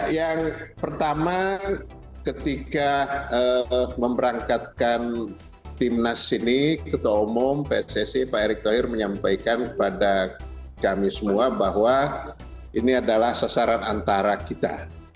yang pertama ketika memberangkatkan timnas ini ketua umum pssi pak erick thohir menyampaikan kepada kami semua bahwa ini adalah sasaran antara kita